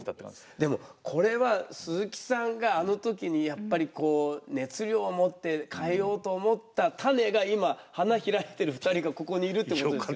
でもこれは鈴木さんがあの時にやっぱりこう熱量を持って変えようと思った種が今花開いてる２人がここにいるってことですよね。